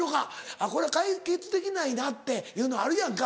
あっこれは解決できないなっていうのあるやんか。